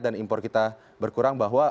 dan impor kita berkurang bahwa